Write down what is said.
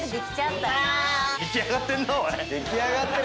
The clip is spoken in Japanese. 出来上がってる。